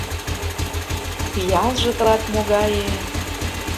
— Пиалже тылат могае...